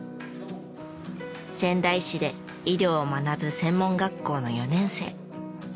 仙台市で医療を学ぶ専門学校の４年生。